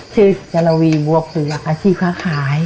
ชื่อเจราวีบวกหลักอาชีพค้าขาย